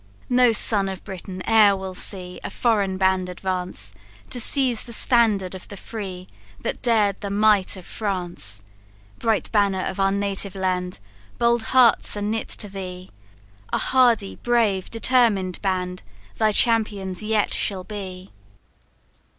"No son of Britain e'er will see A foreign band advance, To seize the standard of the free, That dared the might of France. Bright banner of our native land, Bold hearts are knit to thee; A hardy, brave, determined band, Thy champions yet shall be!"